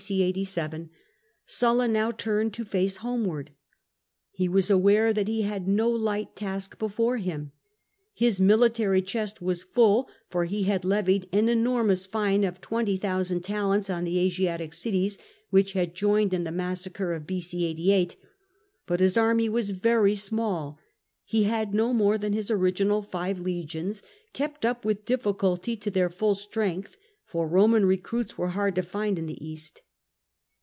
c. 87, Sulla now turned his face homeward. He was aware that he had no light task before him : his military chest was full, for he had levied an enormous fine of 20,000 talents on the Asiatic cities which had joined in the massacre of b.c. 88. But his army was very small: he had no more than his original five legions, kept up with difficulty to their full strength, for Eoman recruits were hard to find in the East.